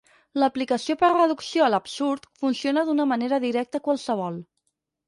L'aplicació per reducció a l'absurd funciona d'una manera directa qualsevol.